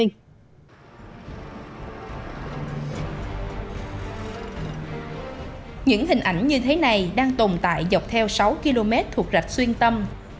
những hình ảnh như thế này đang tồn tại dọc theo sáu km thuộc rạch xuyên tâm